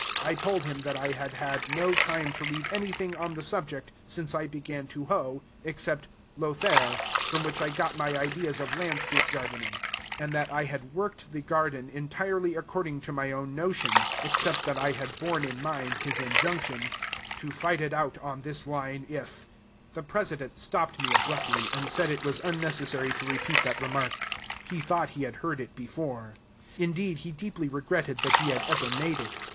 I told him that I had had no time to read anything on the subject since I began to hoe, except "Lothair," from which I got my ideas of landscape gardening; and that I had worked the garden entirely according to my own notions, except that I had borne in mind his injunction, "to fight it out on this line if" The President stopped me abruptly, and said it was unnecessary to repeat that remark: he thought he had heard it before. Indeed, he deeply regretted that he had ever made it.